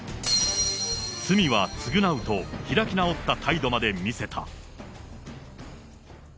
罪は償うと、開き直った態度まで見せた。